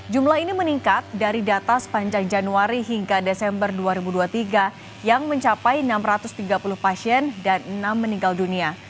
jumlah ini meningkat dari data sepanjang januari hingga desember dua ribu dua puluh tiga yang mencapai enam ratus tiga puluh pasien dan enam meninggal dunia